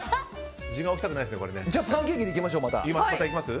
じゃあパンケーキでいきましょうまた。